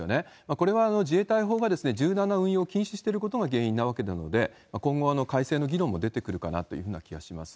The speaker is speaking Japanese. これは自衛隊法が柔軟な運輸を禁止していることが原因なわけなので、今後は改正の議論も出てくるかなというふうな気がします。